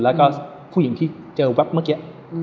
แล้วก็ผู้หญิงที่เจอแว๊บเมื่อกี้